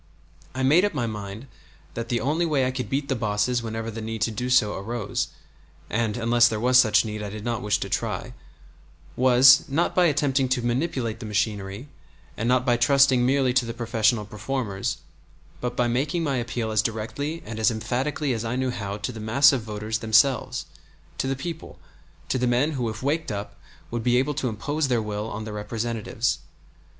I made up my mind that the only way I could beat the bosses whenever the need to do so arose (and unless there was such need I did not wish to try) was, not by attempting to manipulate the machinery, and not by trusting merely to the professional reformers, but by making my appeal as directly and as emphatically as I knew how to the mass of voters themselves, to the people, to the men who if waked up would be able to impose their will on their representatives.